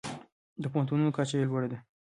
د پوهنتونونو کچه یې لوړه ده.